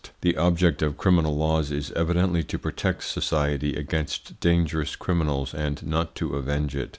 The object of criminal laws is evidently to protect society against dangerous criminals and not to avenge it.